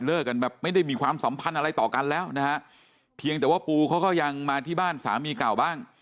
กันแบบไม่ได้มีความสัมพันธ์อะไรต่อกันแล้วนะฮะเพียงแต่ว่าปูเขาก็ยังมาที่บ้านสามีเก่าบ้าง